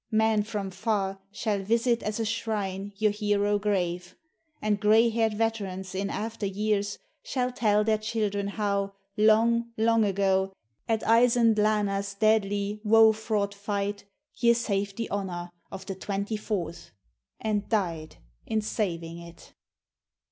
Men from far Shall visit as a shrine your hero grave; And grey haired veterans in after years Shall tell their children how, long, long ago, At ISANDLANA'S deadly, woe fraught fight, Ye saved the honour of "the 24th," And DIED IN SAVING IT!